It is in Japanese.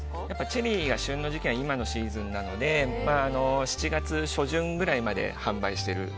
チェリーが旬の時期が今のシーズンなので７月初旬ぐらいまで販売している。